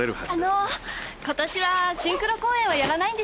あの今年はシンクロ公演はやらないんでしょうか？